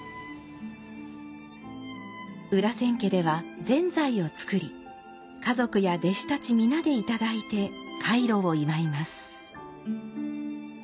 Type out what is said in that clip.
裏千家ではぜんざいを作り家族や弟子たち皆でいただいて開炉を祝います。